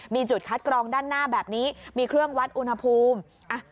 มีจุดคัดกรองด้านหน้าแบบนี้มีเครื่องวัดอุณหภูมิ